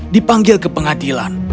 dipanggil ke pengadilan